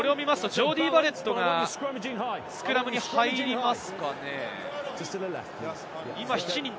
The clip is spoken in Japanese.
ジョーディー・バレットがスクラムに入ります。